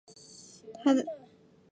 她的作品被许多人收藏。